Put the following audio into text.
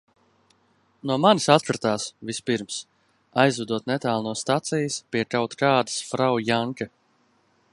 "No manis "atkratās" vispirms, aizvedot netālu no stacijas pie kaut kādas Frau Janke."